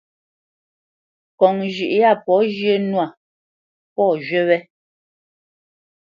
Ŋkɔŋ zhʉ̌ʼ yâ pɔ̌ zhyə̄ nwâ, pɔ̌ zhywí wé.